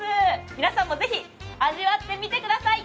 皆さんもぜひ味わってみてください。